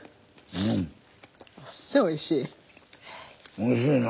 おいしいな。